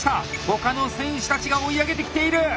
他の選手たちが追い上げてきている！